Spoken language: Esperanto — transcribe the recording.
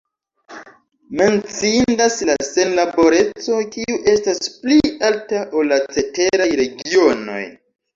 Menciindas la senlaboreco, kiu estas pli alta, ol la ceteraj regionoj.